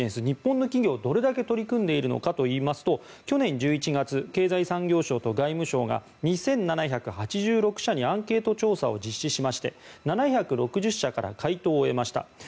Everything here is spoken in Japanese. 日本の企業、どれだけ取り組んでいるのかといいますと去年１１月、経済産業省と外務省が２７８６社にアンケート調査を実施しまして７６０社から回答を得ました。